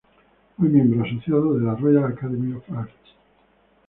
Fue miembro asociado de la Royal Academy of Arts.